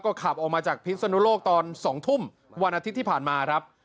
ขับออกมาจากพิษนุโลกตอน๒ทุ่มวันอาทิตย์ที่ผ่านมาครับ